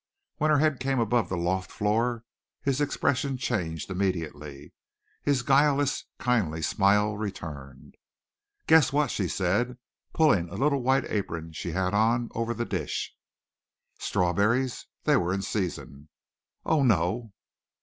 When her head came above the loft floor his expression changed immediately. His guileless, kindly smile returned. "Guess what," she said, pulling a little white apron she had on over the dish. "Strawberries." They were in season. "Oh, no."